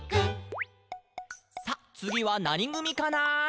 「さあ、つぎはなにぐみかな？」